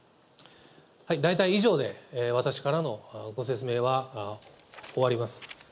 大体以上で、私からのご説明は終わります。